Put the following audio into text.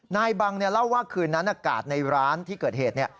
นายบังเนี่ยเล่าว่าคืนนานอากาศในร้านที่เกิดเหตุเนี่ย